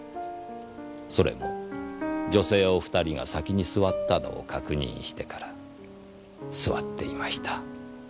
それも女性２人が先に座ったのを確認してから座っていました。